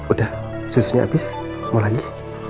udah susunya abis mau lagi